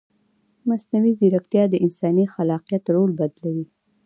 مصنوعي ځیرکتیا د انساني خلاقیت رول بدلوي.